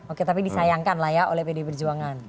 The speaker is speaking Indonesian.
oke tapi disayangkan lah ya oleh pdi perjuangan